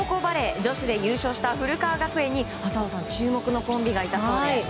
女子で優勝した古川学園に浅尾さん注目のコンビがいたそうで。